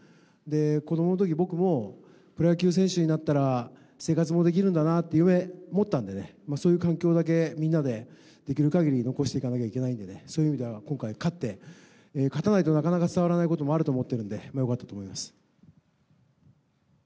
子どものとき、僕も、プロ野球選手になったら生活もできるんだなって夢、持ったんでね、そういう環境だけみんなでできるかぎり残していかなきゃいけないんでね、そういう意味では、今回、勝って、勝たないとなかなか伝わらないこともあると思っているので、まあ、よかったと思います。